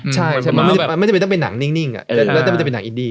ใช่มันไม่ต้องเป็นหนังนิ่งแล้วจะเป็นหนังอินดี